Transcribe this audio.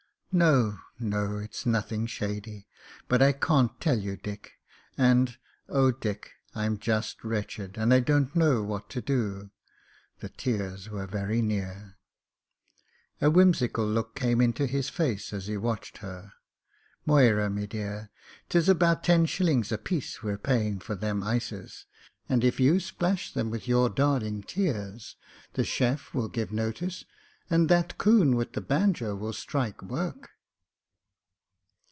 "No, no, it's nothing shady. But I can't tell you, Dick; and oh, Dick! I'm just wretched, and I don't know what to do." The tears were very near. 28 ' MEN, WOMEN AND GUNS A whimsical look came into his face as he watched her. "Moyra, me dear ; 'tis about ten shillings apiece we're paying for them ices; and if you ^lash them with your darling tears, the chef will give notice and that coon with the banjo will strike work."